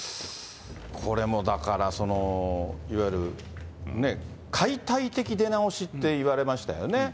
これもだから、いわゆる、ね、解体的出直しっていわれましたよね。